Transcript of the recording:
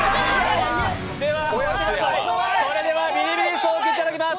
それではビリビリ椅子を受けていただきます。